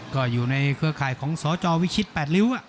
ก็อยู่ในเครือคลายของสจวิชิตแปดริ้วอ่ะ